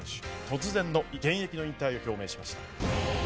突然の現役の引退を表明しました。